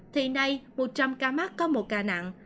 thì nay một trăm linh ca mắc có một ca nặng